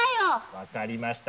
分かりました。